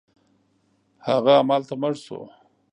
هغه همالته مړ شو.